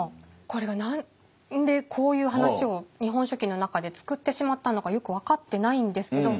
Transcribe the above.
これが何でこういう話を「日本書紀」の中で作ってしまったのかよく分かってないんですけど。